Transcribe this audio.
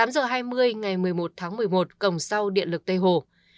tám giờ hai mươi ngày một mươi một tháng một mươi một cổng sau điện lực tây hồ